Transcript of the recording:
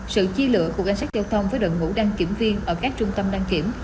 sự chi lựa của cảnh sát giao thông với đồng ngũ đăng kiểm viên ở các trung tâm đăng kiểm